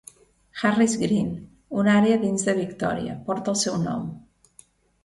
Harris Green, una àrea dins de Victòria, porta el seu nom.